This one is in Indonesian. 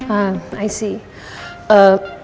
ah i see